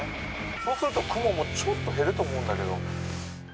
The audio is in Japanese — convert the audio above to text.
そうすると雲もちょっと減ると思うんだけど。